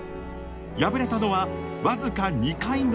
敗れたのは僅か２回の信玄。